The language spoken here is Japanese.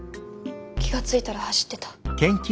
気が付いたら走ってた。